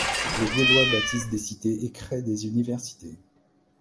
Les Gaulois bâtissent des cités et créent des universités.